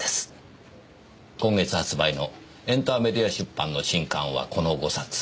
今月発売のエンターメディア出版の新刊はこの５冊。